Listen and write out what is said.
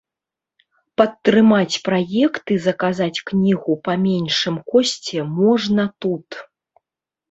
Падтрымаць праект і заказаць кнігу па меншым кошце можна тут.